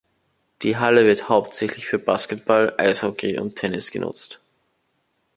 Die Halle wird hauptsächlich für Basketball, Eishockey und Tennis genutzt.